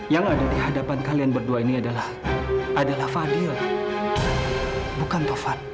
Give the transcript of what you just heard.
yang ada di hadapan kalian berdua ini adalah fadil bukan tofar